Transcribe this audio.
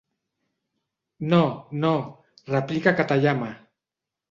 No, no —replica Katayama—.